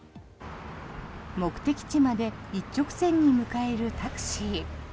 目的地まで一直線に向かえるタクシー。